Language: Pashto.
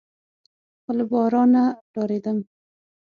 خو له بارانه ډارېدم.